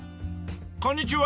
こんにちは。